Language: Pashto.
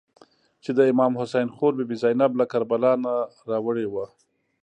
چې د امام حسین خور بي بي زینب له کربلا نه راوړې وه.